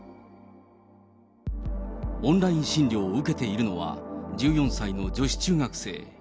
オンライン診療を受けているのは、１４歳の女子中学生。